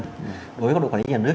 đối với góc độ quản lý nhà nước